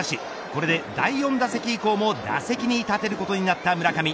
これで第４打席以降も打席に立てることになった村上。